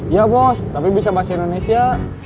ya bos tapi bisa bahasa indonesia